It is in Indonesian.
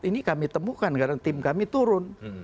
ini kami temukan karena tim kami turun